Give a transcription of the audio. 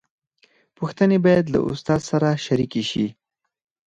پوښتنې باید له استاد سره شریکې شي.